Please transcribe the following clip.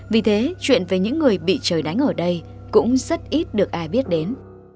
vì thế chuyện về những người bị trời đánh ở đây cũng rất ít được ai biết đến